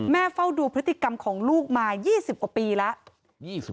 เฝ้าดูพฤติกรรมของลูกมา๒๐กว่าปีแล้ว